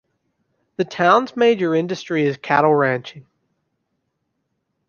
The town's major industry is cattle ranching.